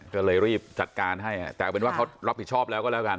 ก็เลยรีบจัดการให้แต่เอาเป็นว่าเขารับผิดชอบแล้วก็แล้วกัน